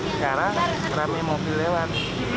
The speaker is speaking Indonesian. sekarang ramai mobil lewat